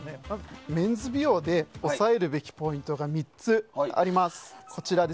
メンズ美容で押さえるべきポイントが３つあります。